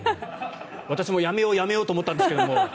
私もやめようやめようと思ったんですけど。